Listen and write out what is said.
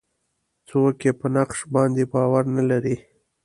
څوک یې په نقش باندې باور نه لري.